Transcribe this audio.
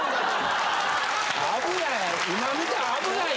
危ない。